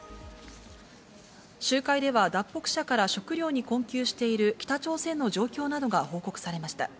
集会では脱北者から食糧に困窮している北朝鮮の状況などが報告されました。